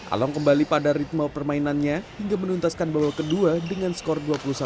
along kembali pada ritme permainannya hingga menuntaskan babak kedua dengan skor dua puluh satu